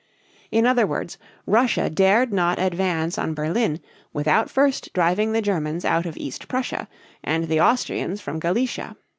In other words, Russia dared not advance on Berlin without first driving the Germans out of East Prussia and the Austrians from Galicia.